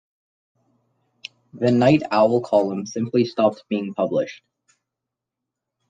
The "Nite Owl" column simply stopped being published.